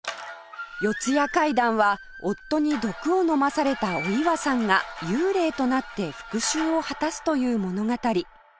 『四谷怪談』は夫に毒を飲まされたお岩さんが幽霊となって復讐を果たすという物語